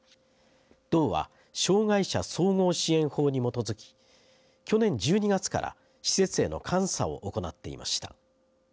道は障害者総合支援法に基づき去年１２月から施設への監査を行っていました。